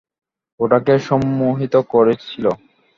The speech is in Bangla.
ওটাকে সম্মোহিত করেছিলি?